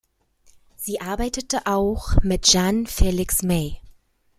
Sie arbeitete auch mit Jan Felix May.